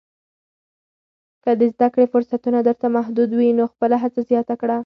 که د زده کړې فرصتونه درته محدود وي، نو خپله هڅه زیاته کړه.